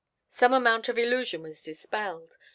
Some amount of illusion was dispelled.